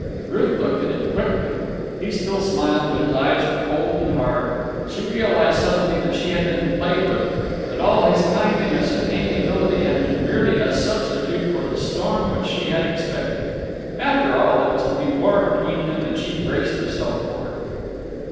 Ruth looked at him quickly. He still smiled, but his eyes were cold and hard. She realized suddenly that she had been played with, that all his kindliness and amiability had been merely a substitute for the storm which she had expected. After all, it was to be war between them, and she braced herself for it!